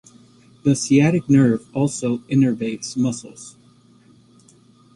The sciatic nerve also innervates muscles.